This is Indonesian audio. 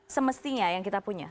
semestinya yang kita punya